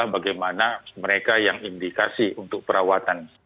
bagaimana mereka yang indikasi untuk perawatan